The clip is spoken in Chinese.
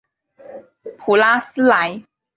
普拉斯莱。